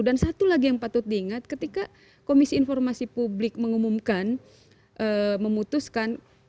dan satu lagi yang patut diingat ketika komisi informasi publik mengumumkan memutuskan